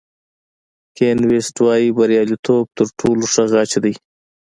کین ویست وایي بریالیتوب تر ټولو ښه غچ دی.